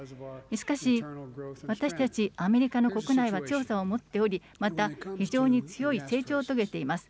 しかし、私たちアメリカの国内は調査を持っており、また非常に強い成長を遂げています。